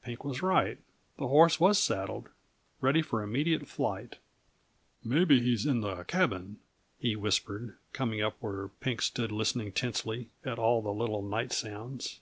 Pink was right; the horse was saddled, ready for immediate flight. "Maybe he's in the cabin," he whispered, coming up where Pink stood listening tensely at all the little night sounds.